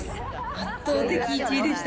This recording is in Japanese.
圧倒的１位でした。